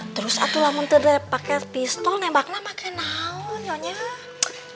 terus itu lah pakai pistol nembaknya pakai naun yaudah